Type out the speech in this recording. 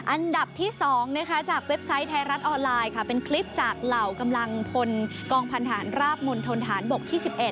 อันดับที่๒จากเว็บไซต์ไทยรัฐออนไลน์ค่ะเป็นคลิปจากเหล่ากำลังพลกองพันธานราบมณฑนฐานบกที่๑๑